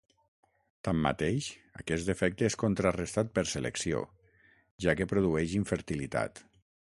Tanmateix, aquest efecte és contrarestat per selecció, ja que produeix infertilitat.